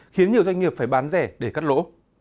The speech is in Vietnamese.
khiến nhiều doanh nghiệp phải bán rẻ để cắt lỗ